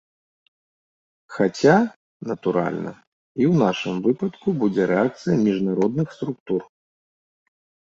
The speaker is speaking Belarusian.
Хаця, натуральна, і ў нашым выпадку будзе рэакцыя міжнародных структур.